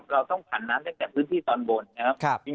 เราต้องผ่านน้ำตั้งแต่พื้นที่ตอนบนนะครับ